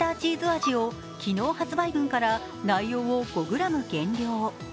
味を昨日発売分から内容を５ｇ減量。